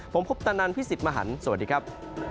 ผมคุปตะนันพี่สิทธิ์มหันฯสวัสดีครับ